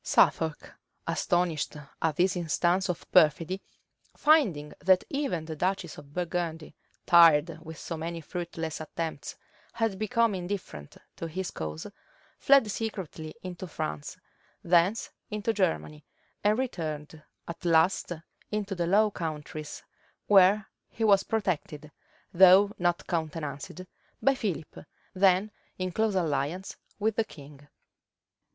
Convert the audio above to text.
Suffolk, astonished at this instance of perfidy, finding that even the duchess of Burgundy, tired with so many fruitless attempts, had become indifferent to his cause, fled secretly into France, thence into Germany, and returned at last into the Low Countries; where he was protected, though not countenanced, by Philip, then in close alliance with the king.